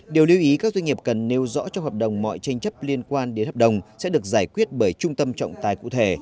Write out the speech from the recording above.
điều lưu ý các doanh nghiệp cần nêu rõ trong hợp đồng mọi tranh chấp liên quan đến hợp đồng sẽ được giải quyết bởi trung tâm trọng tài cụ thể